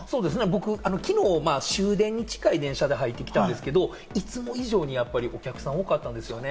きのう終電に近い電車で入ってきたんですけれども、いつも以上にお客さん、多かったですね。